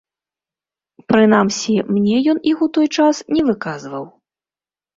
Прынамсі, мне ён іх у той час не выказваў.